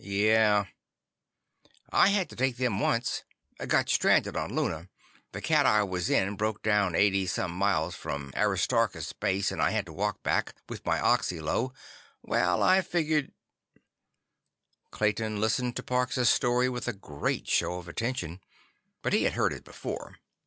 "Yeah." "I had to take them once. Got stranded on Luna. The cat I was in broke down eighty some miles from Aristarchus Base and I had to walk back—with my oxy low. Well, I figured—" Clayton listened to Parks' story with a great show of attention, but he had heard it before.